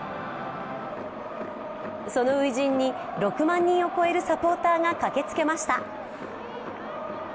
その初陣に６万人を超えるサポーターが駆けつけました。